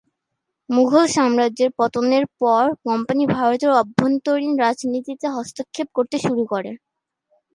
মুঘল সাম্রাজ্যের পতনের পর কোম্পানি ভারতের অভ্যন্তরীণ রাজনীতিতে হস্তক্ষেপ করতে শুরু করে।